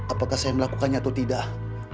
apakah saya melakukannya atau tidak